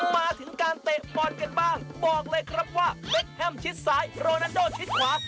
มาถึงการเตะบอลกันบ้างบอกเลยครับว่าเบคแฮมชิดซ้ายโรนาโดชิดขวา